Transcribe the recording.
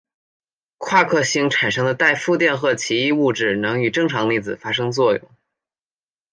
夸克星产生的带负电荷奇异物质能与正常粒子发生作用。